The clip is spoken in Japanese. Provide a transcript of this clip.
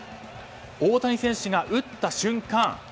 大谷選手が打った瞬間